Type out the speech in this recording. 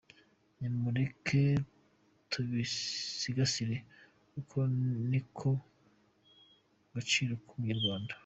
Nimureke tubisigasire kuko niko gaciro ku Munyarwanda.